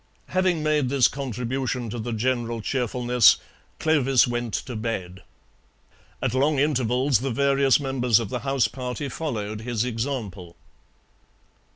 Having made this contribution to the general cheerfulness, Clovis went to bed. At long intervals the various members of the house party followed his example.